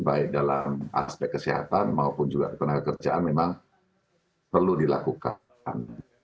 baik dalam aspek kesehatan maupun juga ketenaga kerjaan memang perlu dilakukan